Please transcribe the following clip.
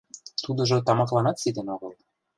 Тудыжо тамакланат ситен огыл.